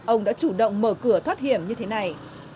ông đã chủ động mở cửa thoát hiểm như thế này